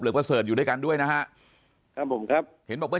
ประเสริฐอยู่ด้วยกันด้วยนะฮะครับผมครับเห็นบอกเมื่อ